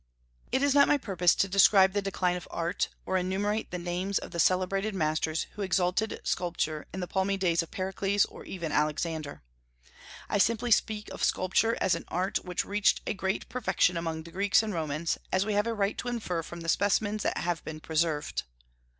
It is not my purpose to describe the decline of art, or enumerate the names of the celebrated masters who exalted sculpture in the palmy days of Pericles or even Alexander. I simply speak of sculpture as an art which reached a great perfection among the Greeks and Romans, as we have a right to infer from the specimens that have been preserved.